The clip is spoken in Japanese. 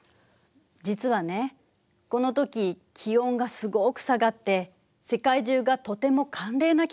実はねこのとき気温がすごく下がって世界中がとても寒冷な気候になったの。